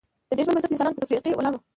ددې ژوند بنسټ د انسانانو پر تفرقې ولاړ و